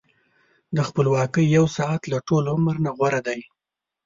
د خپلواکۍ یو ساعت له ټول عمر نه غوره دی.